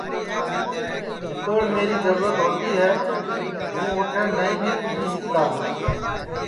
جِتوڑ میری جرورت ہوتی ہے ہوں اوٹھے نائی بھی پُگی سِکتا ہے